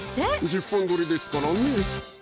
１０本撮りですからね